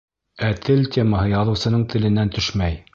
Ә тел темаһы яҙыусының теленән төшмәй.